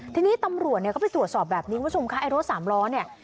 ทีนี้ตำรวจเนี่ยก็ไปตรวจสอบแบบนี้คุณผู้ชมคะไอ้รถสามล้อเนี่ย